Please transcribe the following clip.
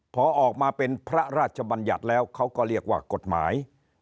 พอออกมาเป็นพระราชบัญญัติแล้วเขาก็เรียกว่ากฎหมาย